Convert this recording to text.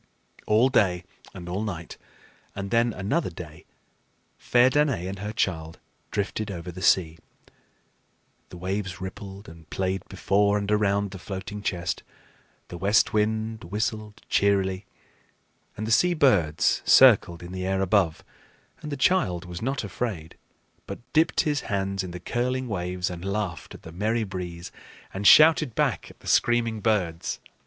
All day and all night and then another day, fair Danaë and her child drifted over the sea. The waves rippled and played before and around the floating chest, the west wind whistled cheerily, and the sea birds circled in the air above; and the child was not afraid, but dipped his hands in the curling waves and laughed at the merry breeze and shouted back at the screaming birds.